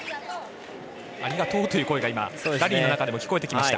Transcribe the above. ありがとうという声がラリーの中でも聞こえてきました。